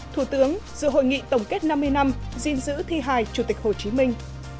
thủ tướng dự hội nghị tổng kết năm mươi năm dinh dữ thi hài chủ tịch hồ chí minh